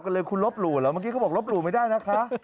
เลยคุณลบหลู่เหรอเมื่อกี้เขาบอกลบหลู่ไม่ได้นะคะ